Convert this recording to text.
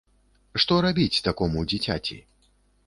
Што рабіць такому дзіцяці?